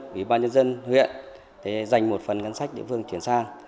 ủy ban nhân dân huyện dành một phần ngân sách địa phương chuyển sang